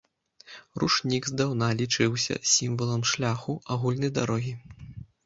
Ручнік здаўна лічыўся сімвалам шляху, агульнай дарогі.